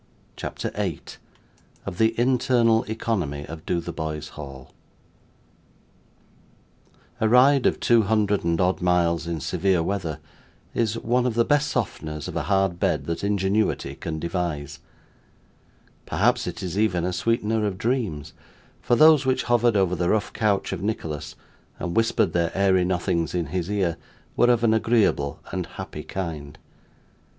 CHAPTER 8 Of the Internal Economy of Dotheboys Hall A ride of two hundred and odd miles in severe weather, is one of the best softeners of a hard bed that ingenuity can devise. Perhaps it is even a sweetener of dreams, for those which hovered over the rough couch of Nicholas, and whispered their airy nothings in his ear, were of an agreeable and happy kind.